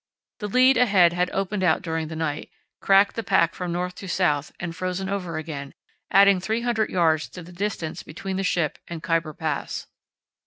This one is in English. The lead ahead had opened out during the night, cracked the pack from north to south and frozen over again, adding 300 yds. to the distance between the ship and "Khyber Pass."